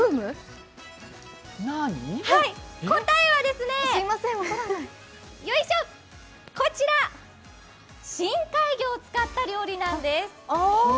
答えは深海魚を使った料理なんです。